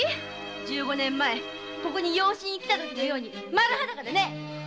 十五年前ここに養子にきた時のように丸裸でね。